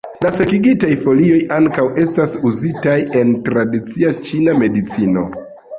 La sekigitaj folioj ankaŭ estas uzitaj en tradicia ĉina medicino.